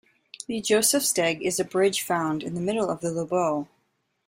The "Josefsteg" is a bridge found in the middle of the Lobau.